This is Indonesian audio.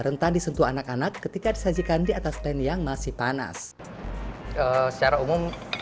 rentan disentuh anak anak ketika disajikan di atas ren yang masih panas secara umum